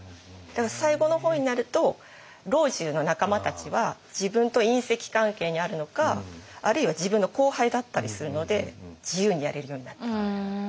だから最後の方になると老中の仲間たちは自分と姻戚関係にあるのかあるいは自分の後輩だったりするので自由にやれるようになってくる。